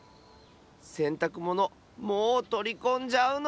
せんたくものもうとりこんじゃうの？